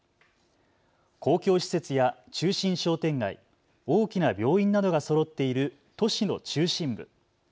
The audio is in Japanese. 公共施設や中心商店街、大きな病院などがそろっている都市の中心部。